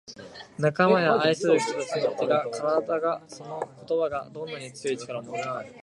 「仲間や愛する人達の手が体がその言葉がどんなに強い力を持つか」